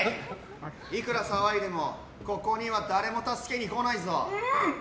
いくら騒いでもここには誰も助けに来ないぞ。